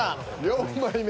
４枚目。